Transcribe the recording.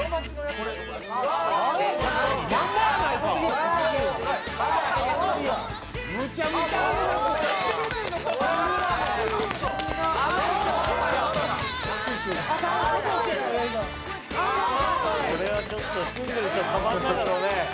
「これはちょっと住んでる人はたまんないだろうね」